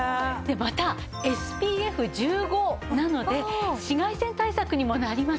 またＳＰＦ１５なので紫外線対策にもなります。